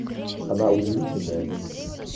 Она удивительная женщина.